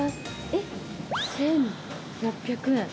えっ１，６００円？